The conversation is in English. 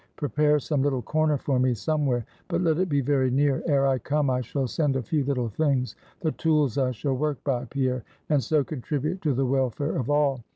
Prepare some little corner for me somewhere; but let it be very near. Ere I come, I shall send a few little things, the tools I shall work by, Pierre, and so contribute to the welfare of all.